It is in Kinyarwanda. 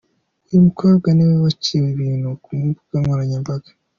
Uyu mukobwa niwe waciye ibintu ku mbuga nkoranyambaga.